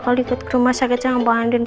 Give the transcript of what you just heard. enggak dikitin iris